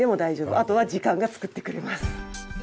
あとは時間が造ってくれます。